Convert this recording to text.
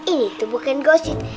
ini bukan gosip